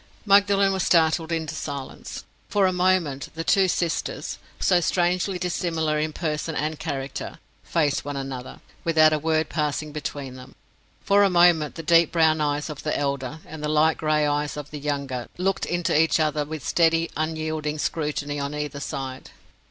Magdalen was startled into silence. For a moment, the two sisters—so strangely dissimilar in person and character—faced one another, without a word passing between them. For a moment the deep brown eyes of the elder and the light gray eyes of the younger looked into each other with steady, unyielding scrutiny on either side.